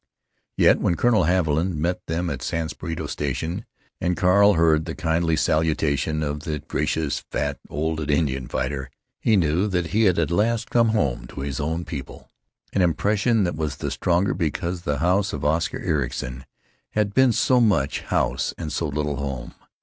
Yet when Colonel Haviland met them at San Spirito station, and Carl heard the kindly salutation of the gracious, fat, old Indian fighter, he knew that he had at last come home to his own people—an impression that was the stronger because the house of Oscar Ericson had been so much house and so little home.